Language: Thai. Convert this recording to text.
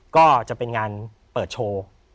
ก็จะเป็นงานเปิดโชว์